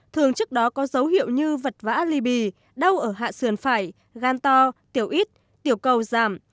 thường trước đó có dấu hiệu như vật vã ly bì đau ở hạ sườn phải gan to tiểu ít tiểu cầu giảm